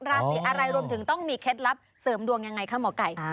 ราศีอะไรรวมถึงต้องมีเคล็ดลับเสริมดวงยังไงคะหมอไก่